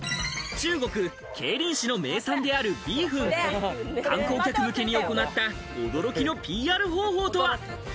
中国、桂林市の名産であるビーフン観光客向けに行った驚きのＰＲ方法とは？